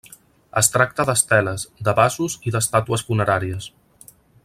Es tracta d'esteles, de vasos i d'estàtues funeràries.